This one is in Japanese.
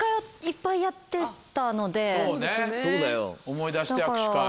思い出して握手会。